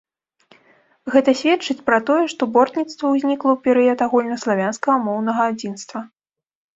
Гэта сведчыць пра тое, што бортніцтва ўзнікла ў перыяд агульнаславянскага моўнага адзінства.